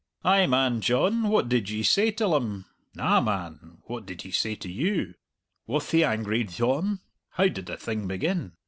"Ay, man, John, what did ye say till him?" "Na, man, what did he say to you?" "Wath he angry, Dyohn?" "How did the thing begin?"